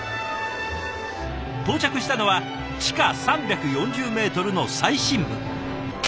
到着したのは地下３４０メートルの最深部。